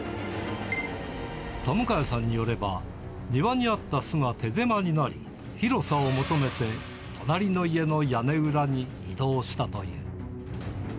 田迎さんによれば、庭にあった巣が手狭になり、広さを求めて隣の家の屋根裏に移動したという。